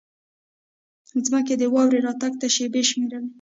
ځمکې د واورې راتګ ته شېبې شمېرلې.